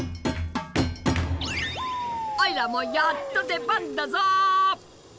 おいらもやっと出番だぞ。